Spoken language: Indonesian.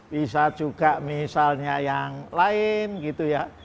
bisa juga misalnya yang lain gitu ya